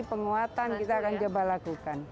penguatan kita akan coba lakukan